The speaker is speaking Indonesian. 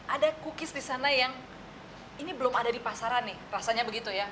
ada cookies di sana yang ini belum ada di pasaran nih rasanya begitu ya